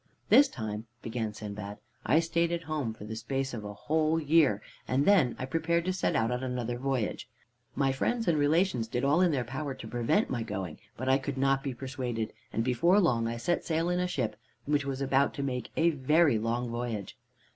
"This time," began Sindbad, "I stayed at home for the space of a whole year, and then I prepared to set out on another voyage. My friends and relations did all in their power to prevent my going, but I could not be persuaded, and before long I set sail in a ship which was about to make a very long voyage.